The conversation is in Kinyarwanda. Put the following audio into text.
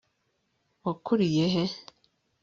wakuriye he